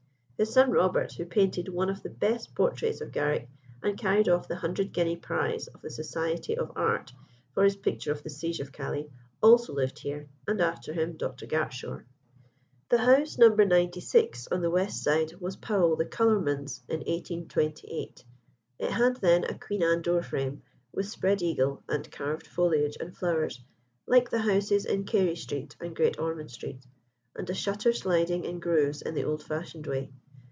His son Robert, who painted one of the best portraits of Garrick, and carried off the hundred guinea prize of the Society of Arts for his picture of the "Siege of Calais," also lived here, and, after him, Dr. Gartshore. The house No. 96, on the west side, was Powell the colourman's in 1828; it had then a Queen Anne door frame, with spread eagle and carved foliage and flowers, like the houses in Carey Street and Great Ormond Street, and a shutter sliding in grooves in the old fashioned way.